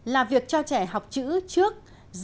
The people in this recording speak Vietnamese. là việc cho trẻ học chữ dễ dàng